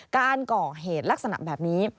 การก่อเหตุลักษณะแบบนี้